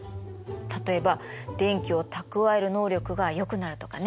例えば電気を蓄える能力がよくなるとかね。